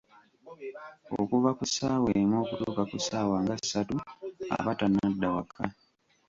Okuva ku ssaawa emu okutuuka ku ssaawa nga ssatu aba tannadda waka.